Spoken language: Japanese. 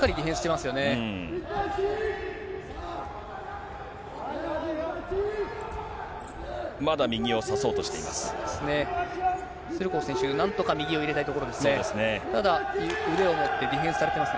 まだ右を差そうとしています。